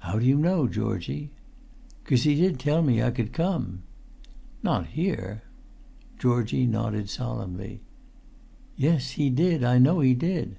"How do you know, Georgie?" "'Cos he did tell me I could come." "Not here?" Georgie nodded solemnly. "Yes, he did. I know he did."